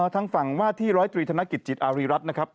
ทางฝั่งว่าที่๑๐๓ธนกิจจิตอาริรัติ